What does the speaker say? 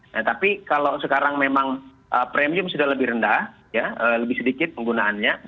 nah tapi kalau sekarang memang premium sudah lebih rendah ya lebih sedikit penggunaannya